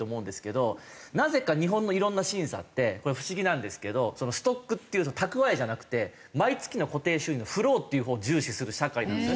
なぜか日本のいろんな審査ってこれ不思議なんですけどストックっていう蓄えじゃなくて毎月の固定収入フローっていうほうを重視する社会なんですよね。